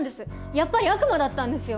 やっぱり悪魔だったんですよ！